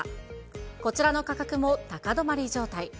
こちらの価格も高止まり状態。